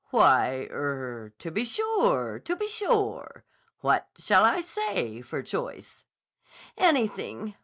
"Why—er—to be sure! To be sure! What shall I say, for choice?" "Anything.